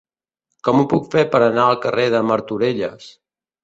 Com ho puc fer per anar al carrer de Martorelles?